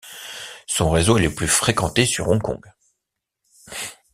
Son réseau est le plus fréquenté sur Hong Kong.